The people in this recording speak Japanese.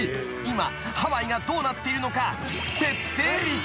今ハワイがどうなっているのか］